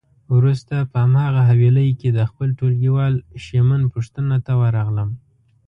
وروسته په هماغه حویلی کې د خپل ټولګیوال شېمن پوښتنه ته ورغلم.